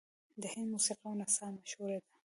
د هند موسیقي او نڅا مشهوره ده.